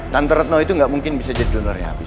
tante retno itu gak mungkin bisa jadi donornya abie